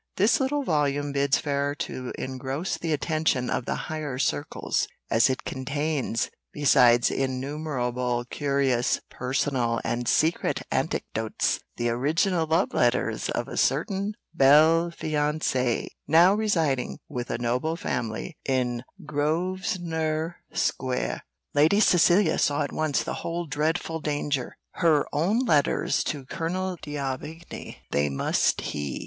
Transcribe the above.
This little volume bids fair to engross the attention of the higher circles, as it contains, besides innumerable curious, personal, and secret anecdotes, the original love letters of a certain belle fiancée, now residing with a noble family in Grosvenor Square." Lady Cecilia saw at once the whole dreadful danger her own letters to Colonel D'Aubigny they must he!